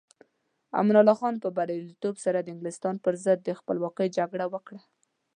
امان الله خان په بریالیتوب سره د انګلستان پر ضد د خپلواکۍ جګړه وکړه.